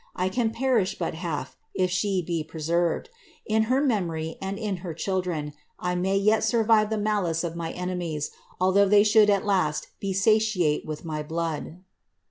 I can perish but half, if jAc be preserved. In her memory, and in her children, I may yet survive the malice of my enemies, although they should at last be satiate with my blood."